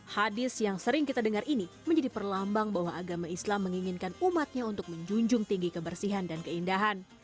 hadis yang sering kita dengar ini menjadi perlambang bahwa agama islam menginginkan umatnya untuk menjunjung tinggi kebersihan dan keindahan